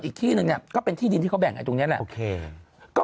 อีกที่หนึ่งเนี่ยก็เป็นที่ดินที่เขาแบ่งไอตรงนี้แหละโอเค